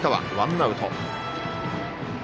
ワンアウト。